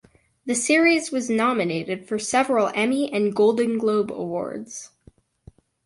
The series was nominated for several Emmy and Golden Globe awards.